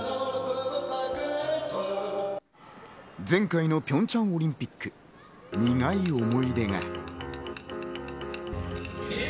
前回のピョンチャンオリンピック、苦い思い出が。